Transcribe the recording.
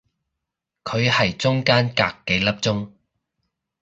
佢係中間隔幾粒鐘